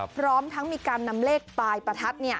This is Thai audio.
พร้อมทั้งมีการนำเลขปลายประทัด